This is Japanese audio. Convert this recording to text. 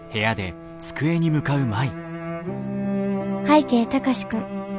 「拝啓貴司君